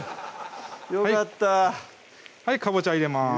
よかったかぼちゃ入れます